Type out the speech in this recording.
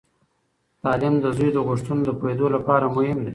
تعلیم د زوی د غوښتنو د پوهیدو لپاره مهم دی.